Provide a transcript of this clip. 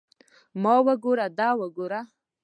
ما وګوره دا وګوره.